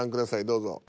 どうぞ。